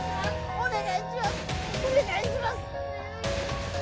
お願いします。